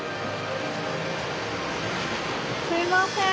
すいません。